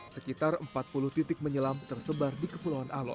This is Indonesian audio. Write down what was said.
sekitar empat puluh titik menyelam tersebar di kepulauan alon